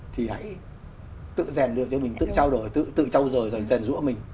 thì hãy tự rèn được cho mình tự trao đổi tự trau dồi rồi rèn rũa mình